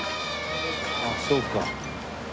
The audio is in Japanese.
あっそうか。